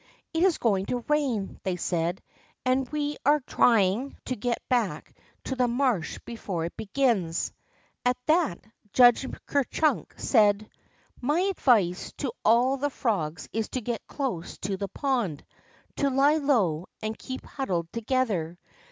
It is going to rain," they said, and we are trying to get back to the marsh before it begins." At that. Judge Ker Chunk said: My advice to all the frogs is to get close to the pond, to lie low, and keep huddled together.